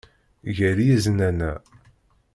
Gar yiznan-a.